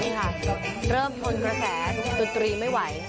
นี่ค่ะเริ่มทนกระแสดนตรีไม่ไหว